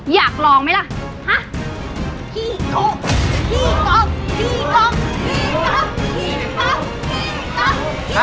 อยากลองมั้ยล่ะฮะ